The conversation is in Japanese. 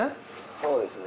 そうですね。